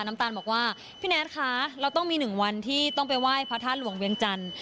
น้ำตาลบอกว่าพี่แน็ตคะเราต้องมีหนึ่งวันที่ต้องไปไหว้พระธาตุหลวงเวียงจันทร์